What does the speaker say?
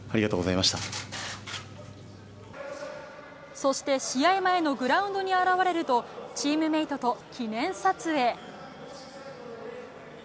そして試合前のグラウンドに現れるとチームメートと記念撮影。